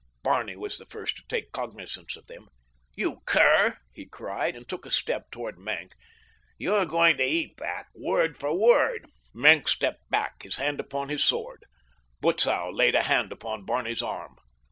Barney was the first to take cognizance of them. "You cur!" he cried, and took a step toward Maenck. "You're going to eat that, word for word." Maenck stepped back, his hand upon his sword. Butzow laid a hand upon Barney's arm.